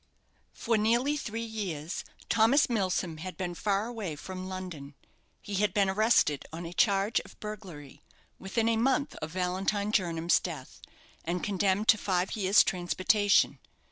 For nearly three years Thomas Milsom had been far away from London. He had been arrested on a charge of burglary, within a month of Valentine Jernam's death, and condemned to five years' transportation.